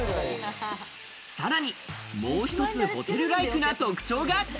さらに、もう一つホテルライクな特徴が！